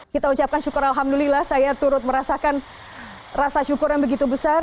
kita ucapkan syukur alhamdulillah saya turut merasakan rasa syukur yang begitu besar